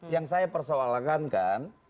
yang saya persoalankan